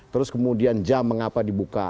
terus kemudian jam mengapa dibuka